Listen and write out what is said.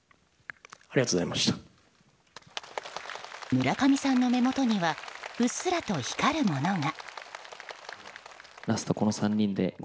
村上さんの目元にはうっすらと光るものが。